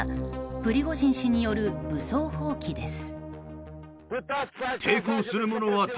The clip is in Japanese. プリゴジン氏による武装蜂起です。